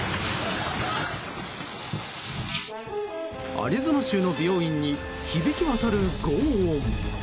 アリゾナ州の美容院に響き渡る轟音。